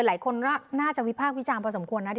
หลายคนน่าจะวิพากษ์วิจารณ์พอสมควรนะ